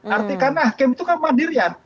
artikan ah hakim itu kan pandirian